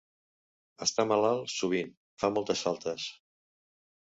Està malalt sovint: fa moltes faltes.